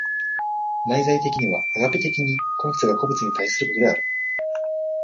内在的にはアガペ的に個物が個物に対することである。